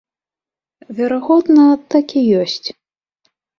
Верагодна, так і ёсць.